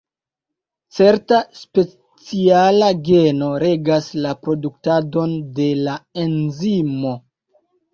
Certa speciala geno regas la produktadon de la enzimo.